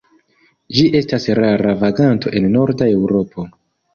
Ĝi estas rara vaganto en Norda Eŭropo.